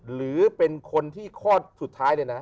หรือเป็นคนที่ข้อสุดท้ายเลยนะ